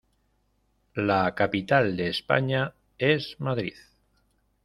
La capital de España, es Madrid.